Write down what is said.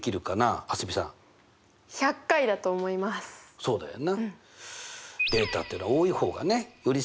そうだよな。